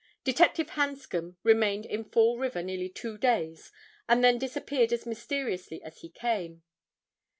Detective Hanscom remained in Fall River nearly two days and then disappeared as mysteriously as he came.